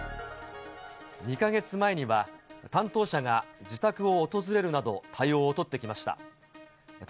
２か月前には、担当者が自宅を訪れるなど対応を取ってきました。